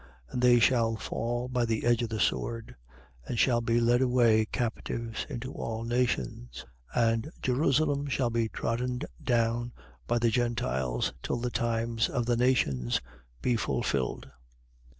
21:24. And they shall fall by the edge of the sword and shall be led away captives into all nations: and Jerusalem shall be trodden down by the Gentiles till the times of the nations be fulfilled.